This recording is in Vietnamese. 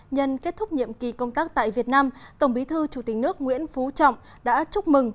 nhân kết thúc nhiệm kỳ công tác tại việt nam tổng bí thư chủ tịch nước nguyễn phú trọng đã chúc mừng